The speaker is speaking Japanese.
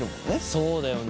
そうだよな。